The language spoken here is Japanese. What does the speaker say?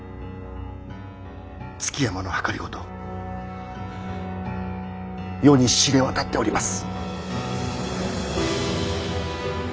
築山の謀世に知れ渡っております。